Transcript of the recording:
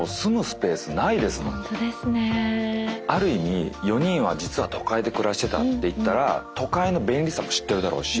ある意味４人は実は都会で暮らしてたっていったら都会の便利さも知ってるだろうし。